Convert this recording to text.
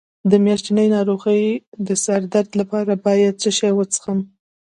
د میاشتنۍ ناروغۍ د سر درد لپاره باید څه شی وڅښم؟